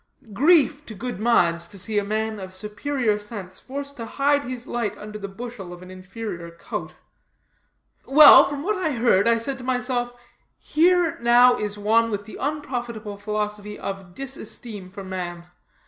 Grief to good minds, to see a man of superior sense forced to hide his light under the bushel of an inferior coat. Well, from what little I heard, I said to myself, Here now is one with the unprofitable philosophy of disesteem for man.